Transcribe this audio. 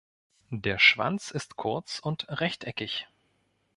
Der Schwanz ist kurz und rechteckig.